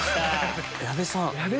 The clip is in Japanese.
矢部さん。